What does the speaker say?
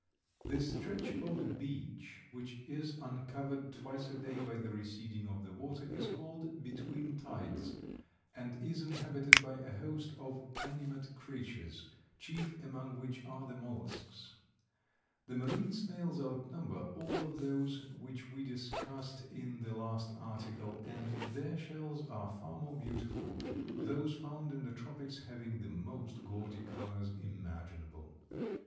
The stretch of beach which is uncovered twice a day by the receding of the water is called "between tides," and is inhabited by a host of animate creatures, chief among which are the mollusks. The marine snails outnumber all of those which we discussed in the last article, and their shells are far more beautiful, those found in the tropics having the most gaudy colors imaginable.